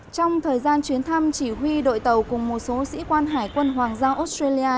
trong thời gian chuyến thăm chỉ huy đội tàu cùng một số sĩ quan hải quân hoàng giao australia